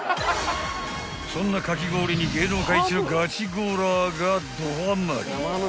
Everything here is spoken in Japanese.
［そんなかき氷に芸能界一のガチゴーラーが］